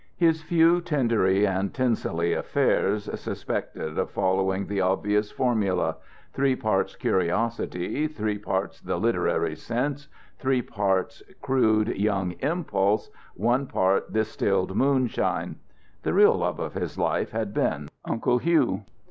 His few tindery and tinselly affairs suspected of following the obvious formula: three parts curiosity, three parts the literary sense, three parts crude young impulse, one part distilled moonshine. The real love of his life had been Uncle Hugh.